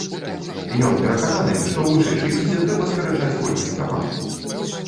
Ён перакананы, што ў вышэйшай лізе трэба скарачаць колькасць каманд.